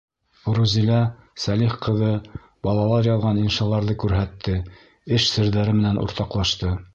Рузилә Сәлих ҡыҙы балалар яҙған иншаларҙы күрһәтте, эш серҙәре менән уртаҡлашты.